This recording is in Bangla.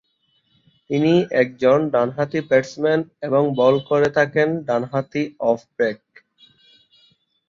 তিনি একজন ডান-হাতি ব্যাটসম্যান এবং বল করে থাকেন ডান-হাতি অফ-ব্রেক।